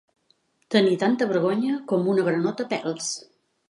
Tenir tanta vergonya com una granota pèls.